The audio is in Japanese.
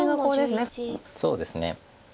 そうですね。